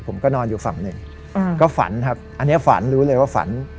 ผมก็นอนอยู่ฝั่งหนึ่งก็ฝันครับอันนี้ฝันรู้เลยว่าฝัน